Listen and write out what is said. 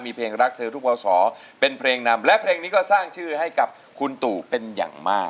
มีเพลงรักเธอทุกพศเป็นเพลงนำและเพลงนี้ก็สร้างชื่อให้กับคุณตู่เป็นอย่างมาก